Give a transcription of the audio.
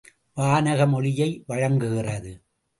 வானகம், ஒளியை வழங்குகிறது.